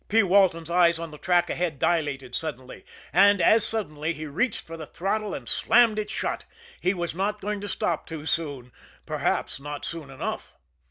P. Walton's eyes on the track ahead dilated suddenly, and, as suddenly, he reached for the throttle and slammed it shut he was not going to stop too soon perhaps not soon enough.